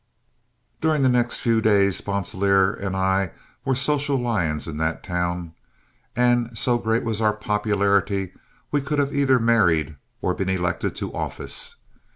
During the next few days, Sponsilier and I were social lions in that town, and so great was our popularity we could have either married or been elected to office.